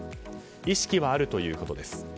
意識はあるということです。